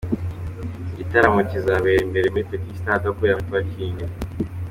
Iki gitaramo kizabera imbere muri Petit Stade aho kubera muri Parking.